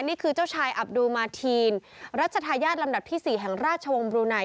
นี่คือเจ้าชายอับดูมาทีนรัชทายาทลำดับที่๔แห่งราชวงศ์บลูไน